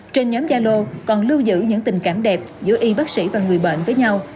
trên nhóm yalo còn lưu giữ những tình cảm đẹp giữa y bác sĩ và người bệnh với nhau